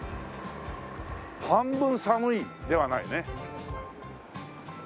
「半分寒い」ではないね。